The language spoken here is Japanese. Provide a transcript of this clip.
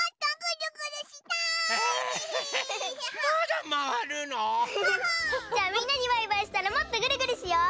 じゃあみんなにバイバイしたらもっとぐるぐるしよう！